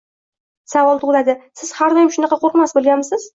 — Savol tugʻiladiki, siz har doim shunaqa qoʻrqmas boʻlganmisiz?